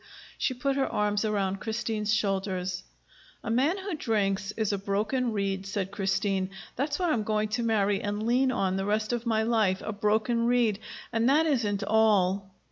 She put her arms around Christine's shoulders. "A man who drinks is a broken reed," said Christine. "That's what I'm going to marry and lean on the rest of my life a broken reed. And that isn't all!"